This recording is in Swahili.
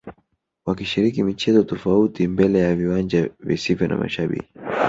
wakishiriki michezo tofauti mbele ya viwanja visivyo na mashabiki